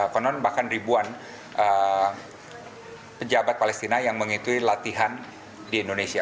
konon bahkan ribuan pejabat palestina yang mengikuti latihan di indonesia